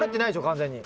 完全に。